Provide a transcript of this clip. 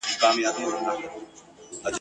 ستا له باړخو ستا له نتکۍ ستا له پېزوانه سره !.